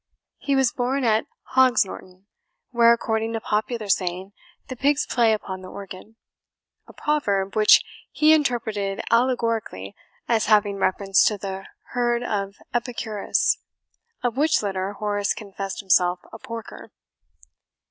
He was born at Hogsnorton, where, according to popular saying, the pigs play upon the organ; a proverb which he interpreted allegorically, as having reference to the herd of Epicurus, of which litter Horace confessed himself a porker.